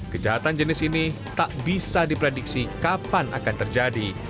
kejahatan jenis ini tak bisa diprediksi kapan akan terjadi